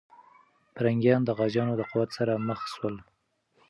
پرنګیان د غازيانو د قوت سره مخ سول.